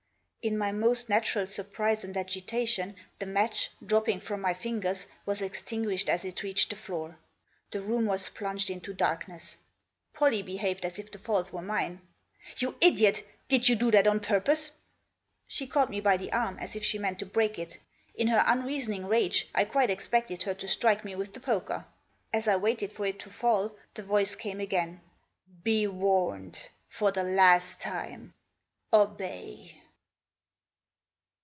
In my most natural surprise and agitation, the match, dropping from my fingers, was extinguished as it reached the floor. The room was plunged into dark ness. Pollie behaved as if the fault were mine. " You idiot ! Did you do that on purpose ? n She caught me by the arm as if she meant to break it. In her unreasoning rage I quite expected her to strike me with the poker. As I waited for it to fall the voice came again. " Be warned !— for the last time !— obey